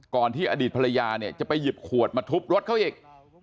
ที่อดีตภรรยาเนี่ยจะไปหยิบขวดมาทุบรถเขาอีก